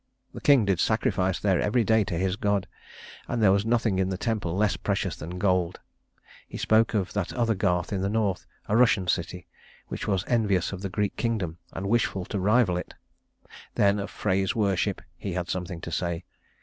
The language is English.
The King did sacrifice there every day to his god and there was nothing in the temple less precious than gold. He spoke of that other Garth in the North, a Russian city, which was envious of the Greek kingdom, and wishful to rival it. Then of Frey's worship he had something to say.